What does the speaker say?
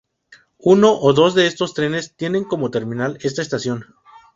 Uno o dos de esos trenes tienen como terminal esta estación.